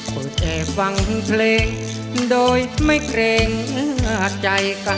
คือจะฟังเพลงโดยไม่เกรงใจกัน